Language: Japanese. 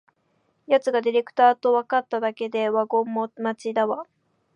やつがディレクターとわかっただけでワゴン待ちだわ